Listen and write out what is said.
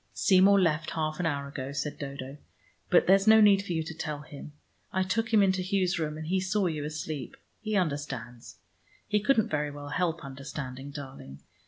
"Seymour left half an hour ago," said Dodo. "But there's no need for you to tell him. I took him into Hugh's room and he saw you asleep. He understands. He couldn't very well help understanding, darling.